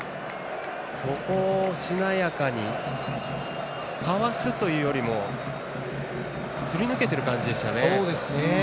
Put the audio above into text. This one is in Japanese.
そこを、しなやかにかわすというよりもすり抜けている感じでしたね。